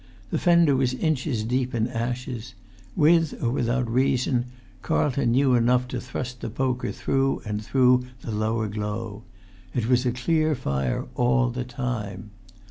The fender was inches deep in ashes. With or without his reason Carlton knew enough to thrust the poker through and through the lower glow. It was a clear fire all the time.